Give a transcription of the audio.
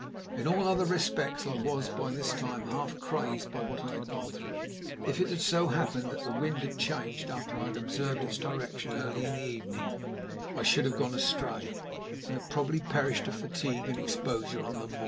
In all other respects I was by this time half crazed by what I had gone through. If it had so happened that the wind had changed after I had observed its direction early in the evening, I should have gone astray, and have probably perished of fatigue and exposure on the moor.